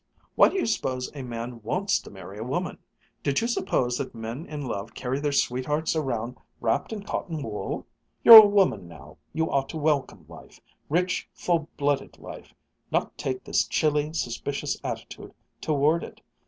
Why do you suppose a man wants to marry a woman? Did you suppose that men in love carry their sweethearts around wrapped in cotton wool? You're a woman now, you ought to welcome life rich, full blooded life not take this chilly, suspicious attitude toward it!